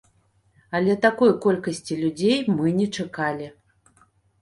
Але такой колькасці людзей мы не чакалі.